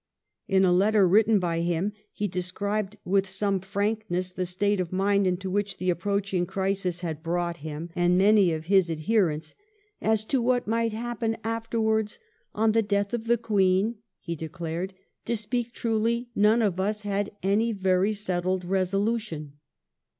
In a letter written by him he described with some frankness the state of mind into which the approaching crisis had brought him 1714 WIND^AM^S BILL. 34l and many of his adherents. 'As to what might happen afterwards, on the death of the Queen,' hp declared, ' to speak truly none of us had any very settled resolution.'